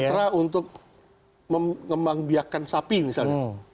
mitra untuk mengembang biakan sapi misalnya